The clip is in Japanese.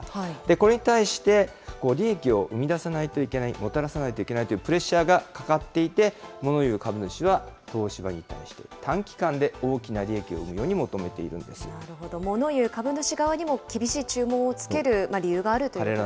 これに対して、利益を生み出さないといけない、もたらさないといけないというプレッシャーがかかっていて、もの言う株主は東芝に対して、短期間で大きな利益を生なるほど、もの言う株主側にも、厳しい注文をつける理由があるということなんですね。